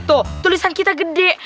tuh tulisan kita gede